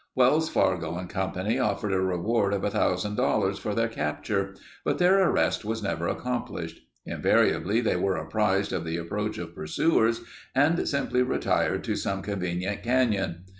Wells Fargo and Company offered a reward of $1000 for their capture, but their arrest was never accomplished. Invariably they were apprised of the approach of pursuers and simply retired to some convenient canyon.